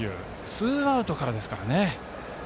ツーアウトからですからね。